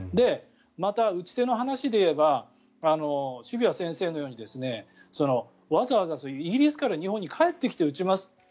また、打ち手の話で言えば渋谷先生のようにわざわざイギリスから日本に帰ってきて打ちます。